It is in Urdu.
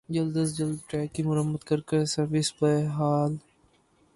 جلد از جلد ٹریک کی مرمت کر کے سروس بحال